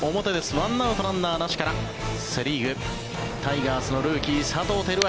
１アウト、ランナーなしからセ・リーグタイガースのルーキー佐藤輝明。